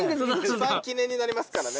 一番記念になりますからね